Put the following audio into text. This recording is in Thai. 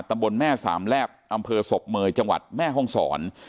ตำบลแม่สามแลบอำเภอศพเมยจังหวัดแม่ห้องศร